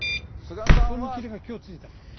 その区切りがきょうついたと。